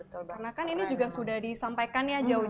karena kan ini juga sudah disampaikan ya jauh jauhan